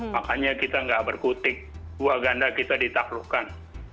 makanya kita gak berkutik dua ganda kita ditaklukkan